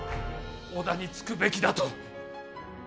織田につくべきだと。